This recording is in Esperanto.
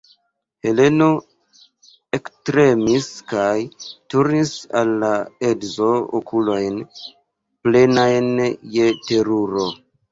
Heleno ektremis kaj turnis al la edzo okulojn, plenajn je teruro.